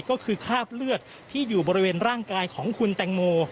ก็คือคราบเลือดที่อยู่บริเวณร่างกายของคุณแตงโม